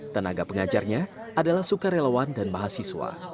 tenaga pengajarnya adalah sukarelawan dan mahasiswa